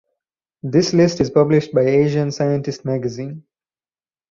This list is published by Asian Scientist Magazine.